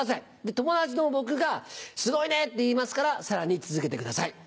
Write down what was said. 友達の僕が「すごいね」って言いますからさらに続けてください。